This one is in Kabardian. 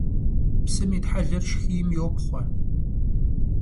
Псым итхьэлэр шхийм йопхъуэ.